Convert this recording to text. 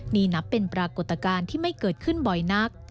นี่นับเป็นปรากฏการณ์ที่ไม่เกิดขึ้นบ่อยนัก